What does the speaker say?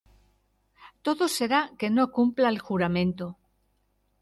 todo será que no cumpla el juramento.